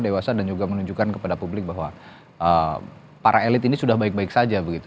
dewasa dan juga menunjukkan kepada publik bahwa para elit ini sudah baik baik saja begitu